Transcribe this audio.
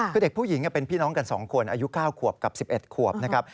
คือเด็กผู้หญิงเป็นพี่น้องกัน๒คนอายุ๙ขวบกับ๑๑ขวบนะครับ